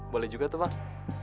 boleh juga tuh bang